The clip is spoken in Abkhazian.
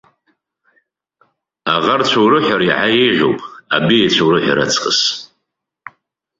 Аӷарцәа урыҳәар еиҳа еиӷьуп, абеицәа урыҳәар ацкыс.